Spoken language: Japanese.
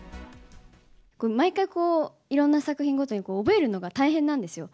毎回、いろんな作品ごとに覚えるのが大変なんですよ。